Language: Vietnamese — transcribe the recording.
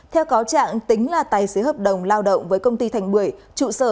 theo cáo trạng tính là tài xế hợp đồng lao động với công ty thành bưởi trụ sở